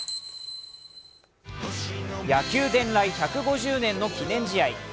野球伝来１５０年の記念試合。